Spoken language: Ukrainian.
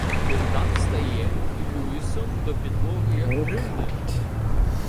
Богдан встає і "Люїсом" до підлоги як гримне!